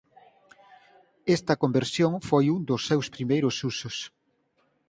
Esta conversión foi un dos seus primeiros usos.